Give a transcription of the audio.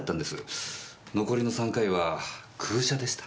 残りの３回は空車でした。